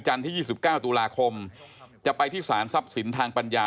ที่๒๙ตุลาคมจะไปที่สารทรัพย์สินทางปัญญา